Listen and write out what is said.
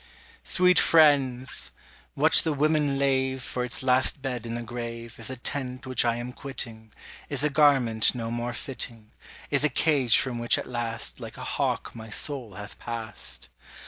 Sweet friends! what the women lave For its last bed in the grave Is a tent which I am quitting, Is a garment no more fitting, Is a cage from which at last Like a hawk my soul hath passed.